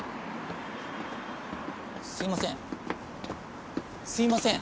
すみませんすみません！